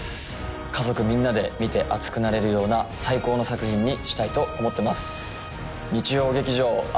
家族みんなで見て熱くなれるような最高の作品にしたいと思ってます